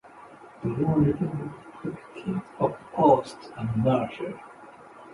The more liberal Protectionists opposed a merger.